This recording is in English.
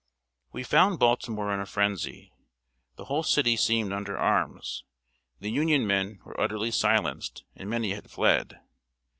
] We found Baltimore in a frenzy. The whole city seemed under arms. The Union men were utterly silenced, and many had fled.